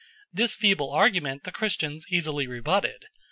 This feeble argument the Christians easily rebutted.